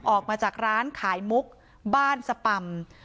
ออกมาจากร้านขายมุกบ้านสปำ